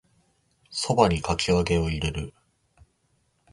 蕎麦にかき揚げを入れる